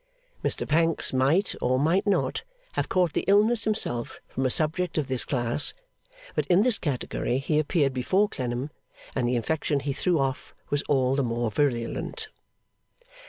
Mr Pancks might, or might not, have caught the illness himself from a subject of this class; but in this category he appeared before Clennam, and the infection he threw off was all the more virulent.